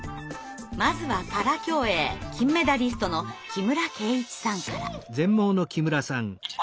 まずはパラ競泳金メダリストの木村敬一さんから。